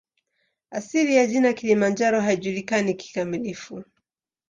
Asili ya jina "Kilimanjaro" haijulikani kikamilifu.